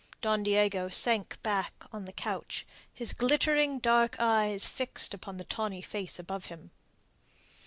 Don Diego sank back on the couch, his glittering dark eyes fixed upon the tawny face above him.